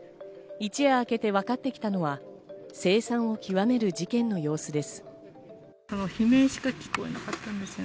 一夜あけてわかってきたのは凄惨をきわめる事件の様子です。